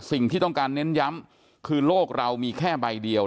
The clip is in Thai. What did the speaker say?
สิ่งที่ต้องการเน้นย้ำคือโลกเรามีแค่ใบเดียว